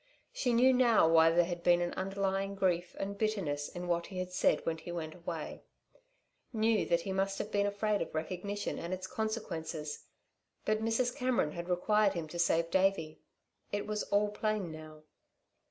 She knew now why there had been an underlying grief and bitterness in what he said when he went away; knew that he must have been afraid of recognition and its consequences. But Mrs. Cameron had required him to save Davey. It was all plain now.